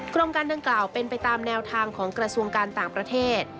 กรมการดังกล่าวเป็นไปตามแนวทางของกระทรวงการต่างประเทศ